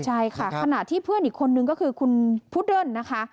ใช่ค่ะขณะที่เพื่อนอีกคนนึงก็คือคุณพุดเดิ้ลนะคะ